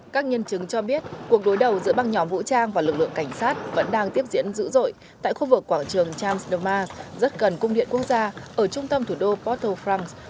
các nhân chứng cho biết cuộc đối đầu giữa băng nhóm vũ trang và lực lượng cảnh sát vẫn đang tiếp diễn dữ dội tại khu vực quảng trường champs élysées rất gần cung điện quốc gia ở trung tâm thủ đô port au prince